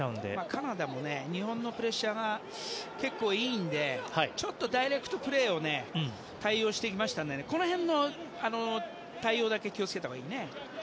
カナダも日本のプレッシャーが結構いいのでちょっとダイレクトプレーを対応してきましたんでこの辺の対応だけ気を付けたほうがいいね。